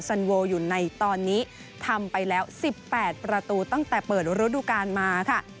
สันโวอยู่ในตอนนี้ทำไปแล้ว๑๘ประตูตั้งแต่เปิดฤดูกาลมาค่ะ